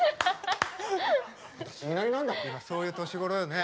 そういう年頃よね。